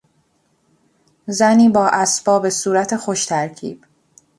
زنی با اسباب صورت خوشترکیب